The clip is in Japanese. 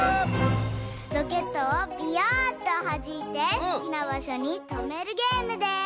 ロケットをビヨンっとはじいてすきなばしょにとめるゲームです！